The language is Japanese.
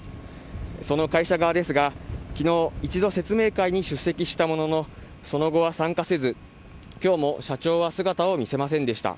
その会社側ですが昨日、一度説明会に出席したもののその後は参加せず、今日も社長は姿を見せませんでした。